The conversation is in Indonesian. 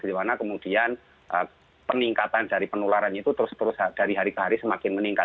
dimana kemudian peningkatan dari penularan itu terus terus dari hari ke hari semakin meningkat